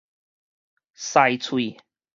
饞喙